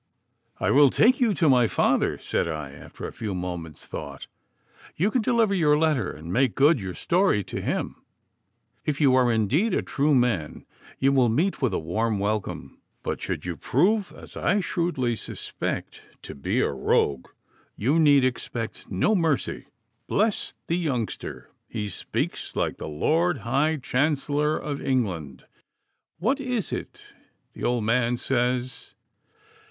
'I will take you to my father,' said I, after a few moments' thought. 'You can deliver your letter and make good your story to him. If you are indeed a true man, you will meet with a warm welcome; but should you prove, as I shrewdly suspect, to be a rogue, you need expect no mercy.' 'Bless the youngster! he speaks like the Lord High Chancellor of England! What is it the old man says?